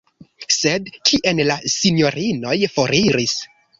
Sed kien la sinjorinoj foriris?